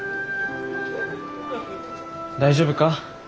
大丈夫か？